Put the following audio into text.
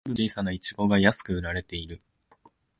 粒の小さなイチゴが安く売られている